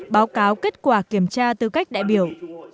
báo cáo kết quả kiểm tra tư cách đại biểu